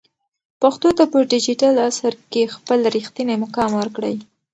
پښتو ته په ډیجیټل عصر کې خپل رښتینی مقام ورکړئ.